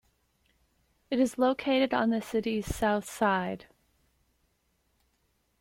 It is located on the city's South Side.